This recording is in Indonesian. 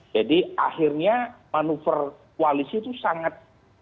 jadi akhirnya manuver koalisi itu sangat